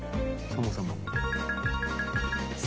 そもそも。